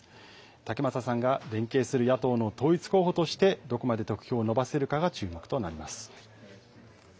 武正さんが連携する野党の統一候補として、どこまで得票を伸ばせるかが注目となります。